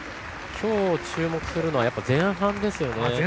今日注目するのは前半ですよね。